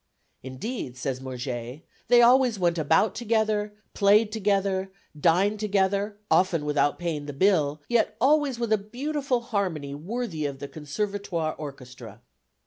"Indeed," says Murger, "they always went about together, played together, dined together, often without paying the bill, yet always with a beautiful harmony worthy of the conservatoire orchestra."